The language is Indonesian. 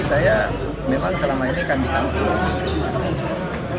saya memang selama ini kan dianggur